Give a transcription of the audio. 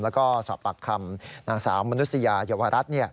แล้วก็สอบปากคำนางสาวมนุษยายวรัฐ